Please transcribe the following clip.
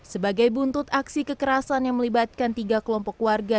sebagai buntut aksi kekerasan yang melibatkan tiga kelompok warga